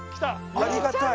ありがたい！